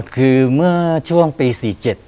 คือเมื่อช่วงปี๔๗